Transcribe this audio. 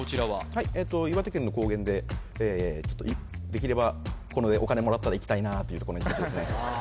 はい岩手県の高原でできればこれでお金もらったら行きたいなーというとこの１つです